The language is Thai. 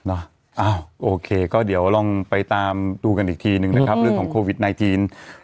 อ้าวโอเคก็เดี๋ยวลองไปตามดูกันอีกทีหนึ่งนะครับเรื่องของโควิดไนทีน